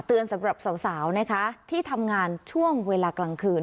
สำหรับสาวนะคะที่ทำงานช่วงเวลากลางคืน